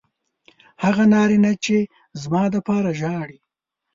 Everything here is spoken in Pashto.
هغه نارینه چې زما دپاره ژاړي